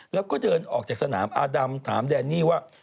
แล้วก็เดินออกจากสนามอาดำถามแดนนี่ว่า